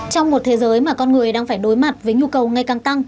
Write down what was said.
trong một thế giới mà con người đang phải đối mặt với nhu cầu ngày càng tăng